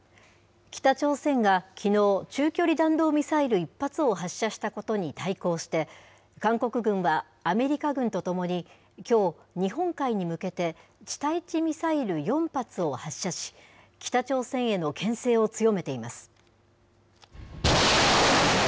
北朝鮮がきのう、中距離弾道ミサイル１発を発射したことに対抗して、韓国軍はアメリカ軍とともに、きょう、日本海に向けて地対地ミサイル４発を発射し、北朝鮮へのけん制を強めています。